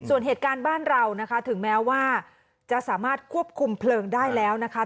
ส่วนเหตุการณ์บ้านเรานะคะถึงแม้ว่าจะสามารถควบคุมเพลิงได้แล้วนะคะ